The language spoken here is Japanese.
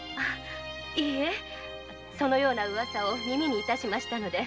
いいえそのような噂を耳に致しましたので。